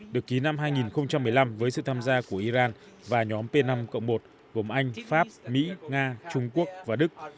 được ký năm hai nghìn một mươi năm với sự tham gia của iran và nhóm p năm một gồm anh pháp mỹ nga trung quốc và đức